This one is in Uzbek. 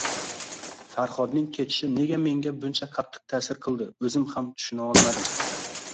Farhodning ketishi nega menga buncha qattiq ta`sir qildi o`zim ham tushuna olmadim